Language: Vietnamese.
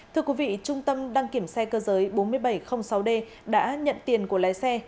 thưa quý vị trung tâm đăng kiểm xe cơ giới bốn nghìn bảy trăm linh sáu d đã nhận tiền của lái xe